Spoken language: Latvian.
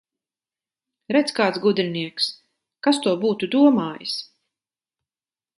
Redz, kāds gudrinieks! Kas to būtu domājis!